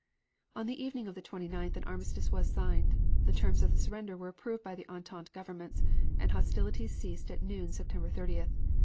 On the evening of the 29th an armistice was signed. The terms of the surrender were approved by the Entente governments, and hostilities ceased at noon September 30th.